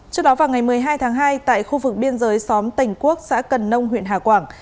trước đó vào ngày một mươi hai tháng hai tại khu vực biên giới xóm tỉnh quốc xã cần nông huyện hà quảng